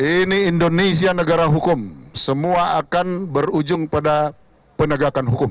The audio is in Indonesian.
ini indonesia negara hukum semua akan berujung pada penegakan hukum